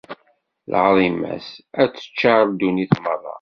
Lɛaḍima-s ad teččar ddunit merra.